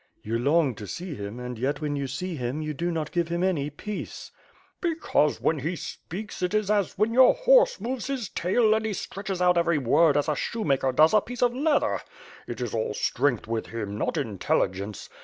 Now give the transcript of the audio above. "You long to see him and, yet, when you see him, you do not give him any peace." ^yo WITH FIRE AND SWORD. "Because when he speaks it is as when your horse moves his tail and he stretches out every word as a shoemaker does a piece of leather. It is all strength with him, not intelligence.